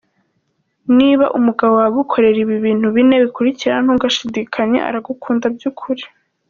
Niba umugabo wawe agukorera ibi bintu bine bikurikira ntugashidikanye aragukunda by’ ukuri.